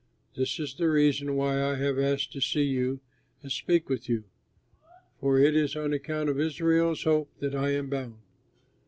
This is the reason why I have asked to see you and speak with you, for it is on account of Israel's hope that I am bound."